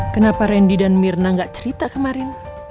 kenapa randy dan mirna gak cerita kemarin